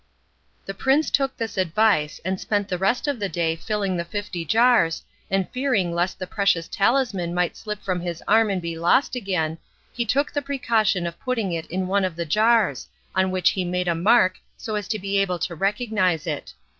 The prince took this advice, and spent the rest of the day filling the fifty jars, and fearing lest the precious talisman might slip from his arm and be lost again, he took the precaution of putting it in one of the jars, on which he made a mark so as to be able to recognise it.